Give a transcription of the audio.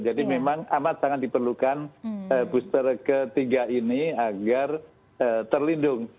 jadi memang amat sangat diperlukan booster ketiga ini agar terlindung